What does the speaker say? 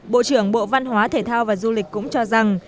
bộ trưởng bộ văn hóa thể thao và du lịch cũng cho rằng